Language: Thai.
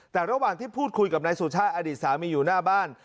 แต่ระหว่างที่พูดคุยกับนายสุชาติอดีตสามีอยู่หน้าบ้าน